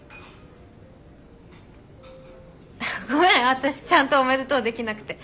私ちゃんと「おめでとう」できなくて。